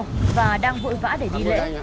ông bà đang vội vã để đi lễ